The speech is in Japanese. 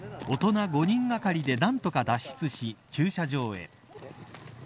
大人５人がかりで何とか脱出し、駐車場へ。